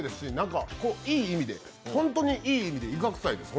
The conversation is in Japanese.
本当に、いい意味でイカくさいです。